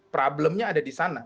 problemnya ada di sana